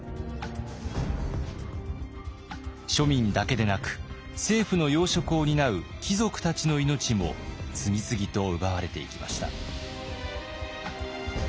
庶民だけでなく政府の要職を担う貴族たちの命も次々と奪われていきました。